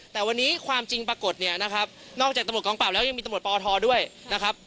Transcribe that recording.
แต่วันนี้ความจริงปรากฏเนี่ยนะครับนอกจากตำรวจกองปราบแล้วยังมีตำรวจปอทด้วยนะครับ